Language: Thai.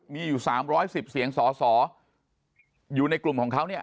มีอยู่๓๑๐เสียงสอสออยู่ในกลุ่มของเขาเนี่ย